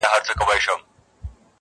ستا په وړاندې ټول عاصي دي محمده